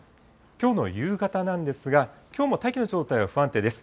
きょうの夕方なんですが、きょうも大気の状態は不安定です。